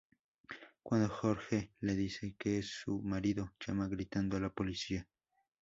Cuando George le dice que es su marido, llama gritando a la policía.